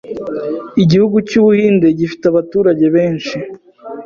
Igihugu cy’ubuhinde gifite abaturage benshi